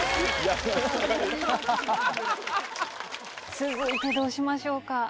続いてどうしましょうか？